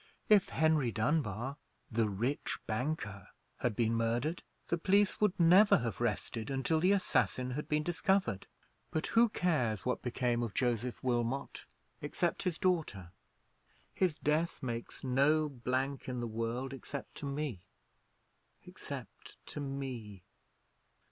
If Henry Dunbar, the rich banker, had been murdered, the police would never have rested until the assassin had been discovered. But who cares what became of Joseph Wilmot, except his daughter? His death makes no blank in the world: except to me—except to me!"